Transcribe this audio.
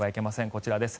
こちらです。